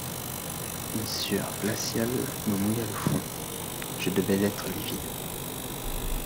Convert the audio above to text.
Une sueur glaciale me mouilla le front ; je devais être livide.